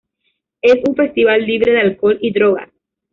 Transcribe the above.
Es un festival libre de alcohol y drogas.